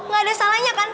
gak ada salahnya kan